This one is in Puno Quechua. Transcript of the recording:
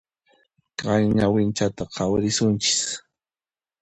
Kay ñawinchayta khawarisunchis.